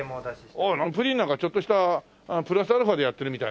プリンなんかちょっとしたプラスアルファでやってるみたいな。